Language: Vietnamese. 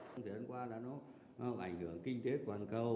trong thời gian qua là nó ảnh hưởng kinh tế toàn cầu